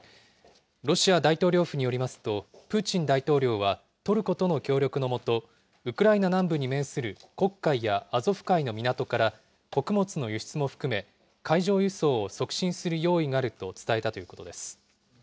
ロシア大統領府によりますと、プーチン大統領はトルコとの協力のもと、ウクライナ南部に面する黒海やアゾフ海の港から穀物の輸出も含め、海上輸送を促進する用意があると伝えたということです。